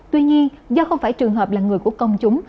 tuy nhiên do không phải trường hợp là người của công chúng